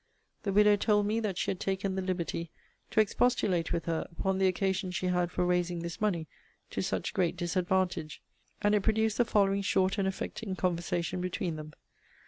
The widow told me that she had taken the liberty to expostulate with her upon the occasion she had for raising this money, to such great disadvantage; and it produced the following short and affecting conversation between them.